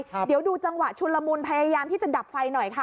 เดี๋ยวดูจังหวะชุนละมุนพยายามที่จะดับไฟหน่อยค่ะ